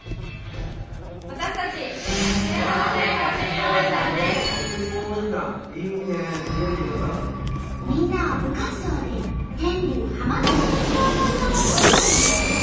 私たちみんなは部活動で天竜浜名湖鉄道沿いの風景を撮影。